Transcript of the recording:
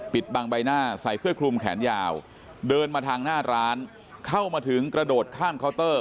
บางใบหน้าใส่เสื้อคลุมแขนยาวเดินมาทางหน้าร้านเข้ามาถึงกระโดดข้ามเคาน์เตอร์